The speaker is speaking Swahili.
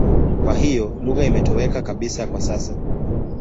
Kwa hiyo lugha imetoweka kabisa kwa sasa.